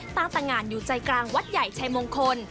ตั้งแต่งานอยู่ใจกลางวัดใหญ่ชัยมงคล